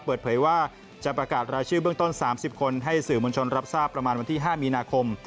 เปิดเผยว่าจะประกาศรายชื่อเบื้องต้น๓๐คนให้สื่อมวลชนรับทราบประมาณวันที่๕มีนาคม